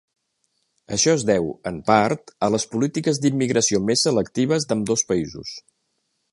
Això es deu, en part, a les polítiques d'immigració més selectives d'ambdós països.